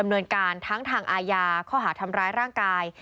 เนินการทั้งทางอาญาข้อหาทำร้ายร่างกาย